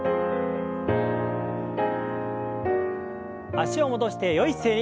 脚を戻してよい姿勢に。